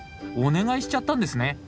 お願いしちゃったんですね。